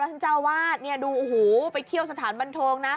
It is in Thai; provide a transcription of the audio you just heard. แล้วท่านเจ้าวาดดูโอ้โหไปเที่ยวสถานบรรทงนะ